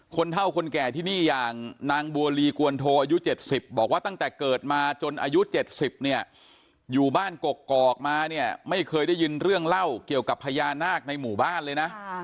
เท่าคนแก่ที่นี่อย่างนางบัวลีกวนโทอายุ๗๐บอกว่าตั้งแต่เกิดมาจนอายุ๗๐เนี่ยอยู่บ้านกกอกมาเนี่ยไม่เคยได้ยินเรื่องเล่าเกี่ยวกับพญานาคในหมู่บ้านเลยนะ